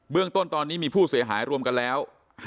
เรื่องต้นตอนนี้มีผู้เสียหายรวมกันแล้ว